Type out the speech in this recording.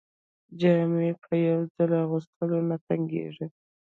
جامې په یو ځل اغوستلو نه تنګیږي.